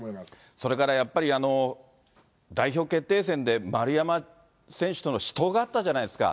それからやっぱり代表決定戦で丸山選手との死闘があったじゃないですか。